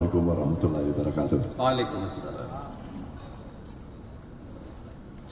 assalamu alaikum warahmatullahi wabarakatuh